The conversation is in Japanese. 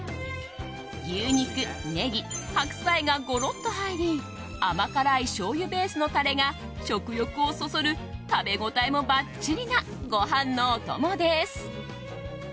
牛肉、ネギ、白菜がゴロッと入り甘辛いしょうゆベースのタレが食欲をそそる食べ応えもばっちりなご飯のお供です。